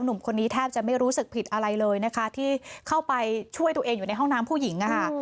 หนุ่มคนนี้แทบจะไม่รู้สึกผิดอะไรเลยนะคะที่เข้าไปช่วยตัวเองอยู่ในห้องน้ำผู้หญิงนะคะ